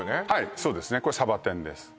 そうですねこれ鯖天です